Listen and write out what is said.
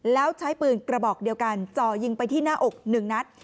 แล้วใช้ปืนกระบอกเดียวกันจ่อยิงไปที่หน้าอกหนึ่งนัด